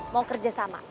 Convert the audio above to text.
mau kerja sama